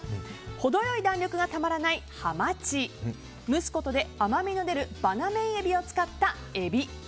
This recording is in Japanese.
程良い弾力がたまらない、はまち蒸すことで甘みの出るバナメイエビを使った、えび。